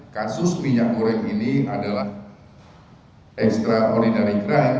kasus minyak goreng ini adalah extraordinary crime